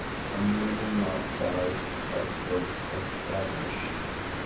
A minimum lot size of was established.